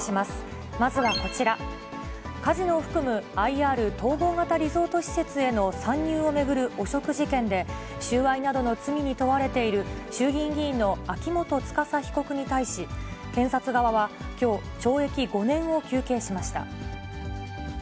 カジノを含むＩＲ・統合型リゾート施設への参入を巡る汚職事件で、収賄などの罪に問われている衆議院議員の秋元司被告に対し、検察側はきょう、懲役５年を求刑しました。